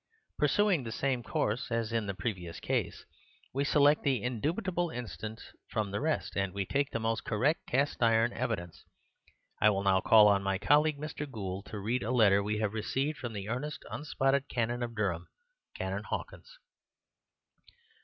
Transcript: Pursuing the same course as in the previous case, we select the indubitable instance from the rest, and we take the most correct cast iron evidence. I will now call on my colleague, Mr. Gould, to read a letter we have received from the earnest, unspotted Canon of Durham, Canon Hawkins."